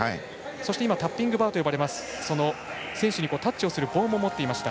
そしてタッピングバーといわれます選手にタッチをする棒も持っていました。